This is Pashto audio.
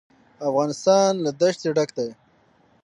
افغانستان له ښتې ډک دی.